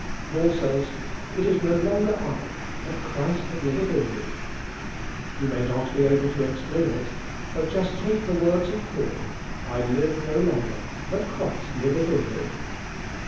Paul says, *'It is no longer I but Christ that liveth in me." You may not be able to explain it, but just take the words of Paul, "I live no longer but Christ liveth in me.